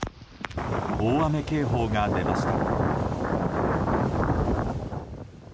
大雨警報が出ました。